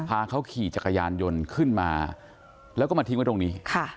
พาเขาขี่จักรยานยนต์ขึ้นมาแล้วก็มาทิ้งไว้ตรงนี้